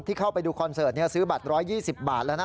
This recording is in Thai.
เข้าไปดูคอนเสิร์ตซื้อบัตร๑๒๐บาทแล้วนะ